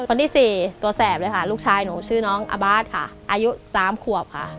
คนที่สี่ตัวแสบเลยค่ะลูกชายหนูชื่อน้องอาบาทค่ะอายุ๓ขวบค่ะ